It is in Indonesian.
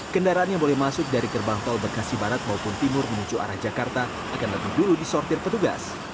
kendaraan yang boleh masuk dari gerbang tol bekasi barat maupun timur menuju arah jakarta akan lebih dulu disortir petugas